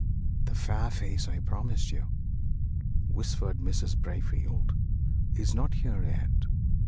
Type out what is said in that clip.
"The fair face I promised you," whispered Mrs. Braefield, "is not here yet.